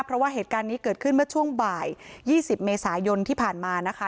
เพราะว่าเหตุการณ์นี้เกิดขึ้นเมื่อช่วงบ่าย๒๐เมษายนที่ผ่านมานะคะ